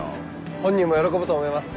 本人も喜ぶと思います